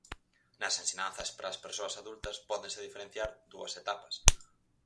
Nas ensinanzas para as persoas adultas pódense diferenciar dúas etapas: